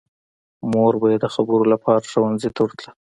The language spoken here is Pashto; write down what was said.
مور به یې د خبرو لپاره ښوونځي ته ورتله